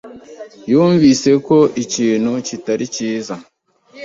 yumvise ko ikintu kitari cyiza.